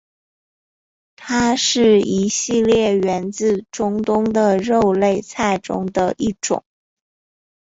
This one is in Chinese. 它是一系列源自中东的肉类菜中的一种。